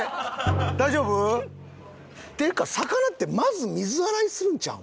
大丈夫？っていうか魚ってまず水洗いするんちゃう？